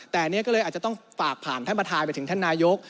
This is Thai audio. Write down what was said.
แต่อันนี้ก็เลยอาจจะต้องฝากผ่านท่านประธานไปถึงท่านนายก